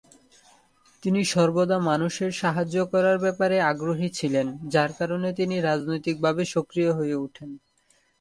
তিনি সর্বদা মানুষের সাহায্য করার ব্যাপারে আগ্রহী ছিলেন যার কারণে তিনি রাজনৈতিকভাবে সক্রিয় হয়ে ওঠেন।